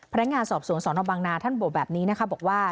พนักงานสอบสวนสนบังนาท่านบอกแบบนี้นะคะบอกว่า